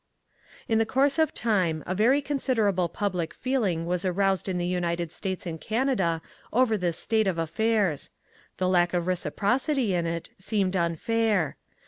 In the course of time a very considerable public feeling was aroused in the United States and Canada over this state of affairs. The lack of reciprocity in it seemed unfair.